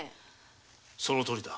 そのとおりだ。